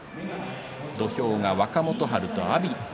土俵が若元春と阿炎。